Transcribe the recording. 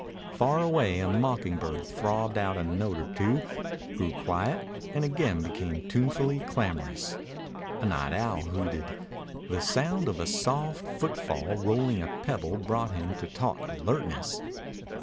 Far away a mocking bird throbbed out a note or two, grew quiet, and again became tunefully clamorous. A night owl hooted. The sound of a soft footfall rolling a pebble brought him to taut alertness.